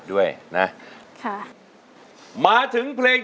ทั้งในเรื่องของการทำงานเคยทำนานแล้วเกิดปัญหาน้อย